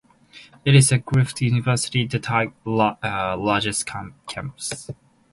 It is Griffith University's largest campus.